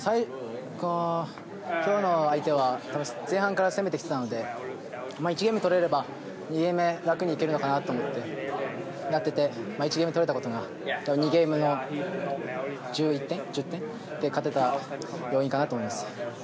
今日の相手は前半から攻めてきてたので１ゲーム取れれば２ゲーム目、楽にいけるのかなと思ってやってて１ゲーム取れたことが２ゲームの１０点で勝てた要因かなと思います。